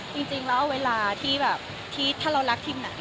จริงแล้วเวลาที่แบบที่ถ้าเรารักทีมไหน